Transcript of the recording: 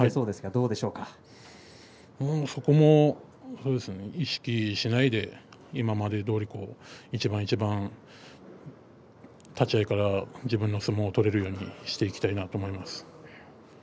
どこも意識をしないで今までどおり一番一番立ち合いから自分の相撲が取れるようにしていきたいと思います。